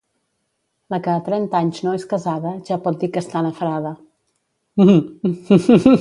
La que a trenta anys no és casada, ja pot dir que està nafrada.